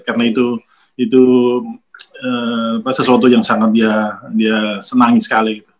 karena itu sesuatu yang sangat dia senangi sekali